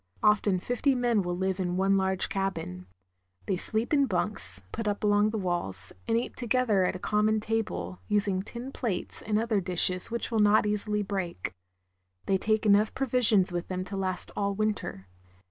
Often fifty men will live in one large cabin. They sleep in bunks, put up along the walls, and eat together at a common table, using tin plates and other dishes which will not easily break. Th'ey take enough provisions with them to last all winter.